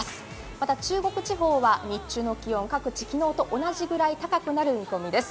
また、中国地方は日中の気温は各地昨日と同じくらいになる見込みです。